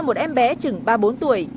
một em bé trừng ba bốn tuổi